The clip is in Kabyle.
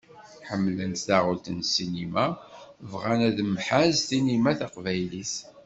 Ḥemmlen taɣult n ssinima, bɣan ad temhaz ssinima taqbaylit.